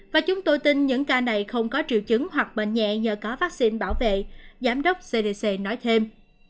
và chúng tôi tin những ca này không có triệu chứng hoặc bệnh nhẹ nhờ có vaccine bảo vệ giám đốc cdc nói thêm